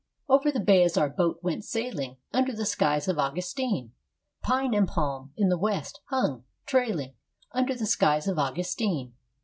II Over the bay as our boat went sailing Under the skies of Augustine, Pine and palm, in the west, hung, trailing Under the skies of Augustine.